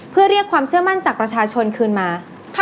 เพื่อเรียกความเชื่อมั่นจากประชาชนคืนมา